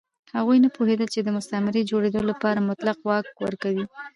هغوی نه پوهېدل چې د مستعمرې جوړېدو لپاره مطلق واک ورکوي.